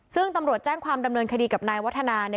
ซึ่งตำรวจแจ้งความดำเนินคดีกับนายวัฒนาเนี่ย